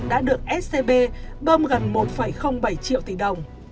đã được scb bơm gần một bảy triệu tỷ đồng